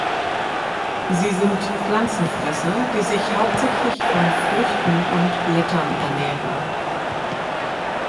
Sie sind Pflanzenfresser, die sich hauptsächlich von Früchten und Blättern ernähren.